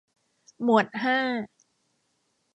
หมวดห้า